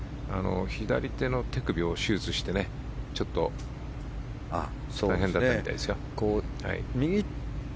左手の手首を手術してちょっと大変だったみたいですよ。